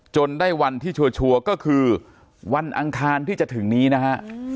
ได้วันที่ชัวร์ก็คือวันอังคารที่จะถึงนี้นะฮะ